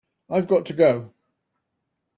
I've got to go.